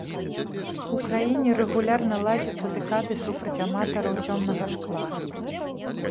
У краіне рэгулярна ладзяцца дэкады супраць аматараў цёмнага шкла.